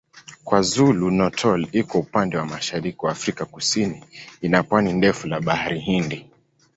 KwaZulu-Natal iko upande wa mashariki wa Afrika Kusini ina pwani ndefu la Bahari Hindi.